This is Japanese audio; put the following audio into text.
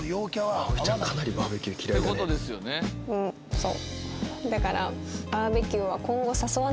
そう。